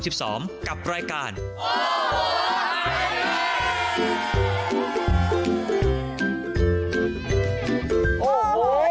พร้อมกับรายการโอ้โหไทยรัฐทีวี